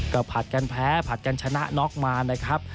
ก็ผัดกันแพ้ผัดกันชนะน็อกมานะครับ